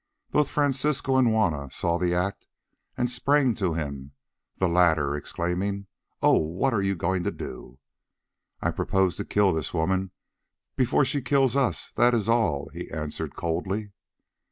Both Francisco and Juanna saw the act and sprang to him, the latter exclaiming, "Oh! what are you going to do?" "I propose to kill this woman before she kills us, that is all," he answered coldly.